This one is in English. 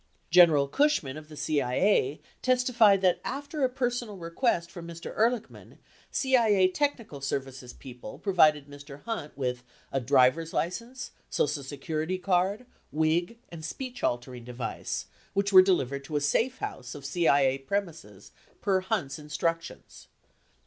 General Cushman of the CIA testified that after a personal request from Mr. Ehrlichman, CIA technical services people provided Mr. Hunt with a drivers license, social security card, wig, and speech altering device, which were delivered to a "safe house" of CIA premises per Hunt's instructions.